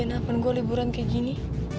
kenapa gue liburan kayak gini